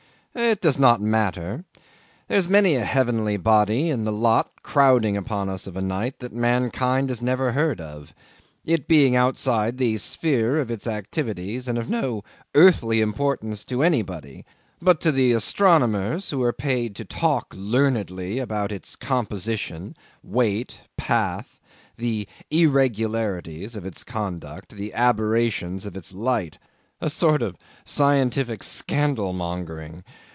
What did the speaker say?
'It does not matter; there's many a heavenly body in the lot crowding upon us of a night that mankind had never heard of, it being outside the sphere of its activities and of no earthly importance to anybody but to the astronomers who are paid to talk learnedly about its composition, weight, path the irregularities of its conduct, the aberrations of its light a sort of scientific scandal mongering.